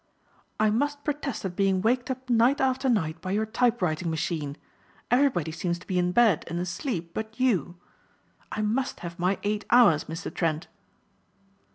"I must protest at being waked up night after night by your typewriting machine. Everybody seems to be in bed and asleep but you. I must have my eight hours, Mr. Trent."